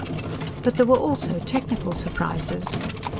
But there were also technical surprises.